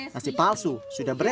nasi palsu sudah berhasil